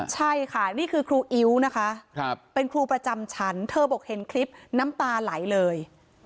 ใช่ค่ะนี่คือครูอิ๊วนะคะเป็นครูประจำชั้นเธอบอกเห็นคลิปน้ำตาไหลเลย